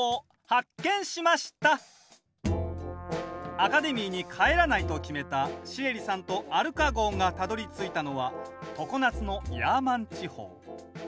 アカデミーに帰らないと決めたシエリさんとアルカ号がたどりついたのは常夏のヤーマン地方。